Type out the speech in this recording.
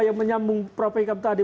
yang menyambung prabowo sandi